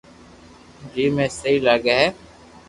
جيم اي سھي لاگي ھي